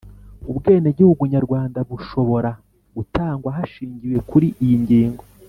Ubwenegihugu nyarwanda bushobo ra gutangwa hashingiwe kuri iyi ngingo